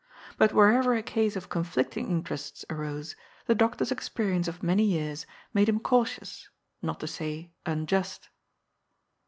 But wherever a case of conflicting interests arose, the doctor's experience of many years made him cautious, not to say unjust.